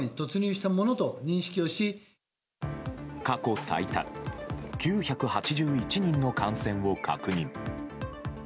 過去最多９８１人の感染を確認。